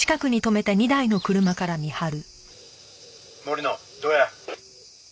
「森野どうや？」